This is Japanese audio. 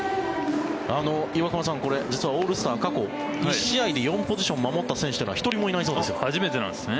岩隈さん、実はオールスター過去に１試合で４ポジション守った選手は１人もいないそうですよ。